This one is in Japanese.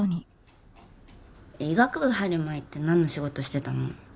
医学部入る前ってなんの仕事してたの？